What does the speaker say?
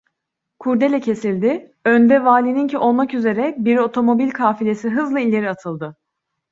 Kordele kesildi, önde valininki olmak üzere, bir otomobil kafilesi hızla ileri atıldı.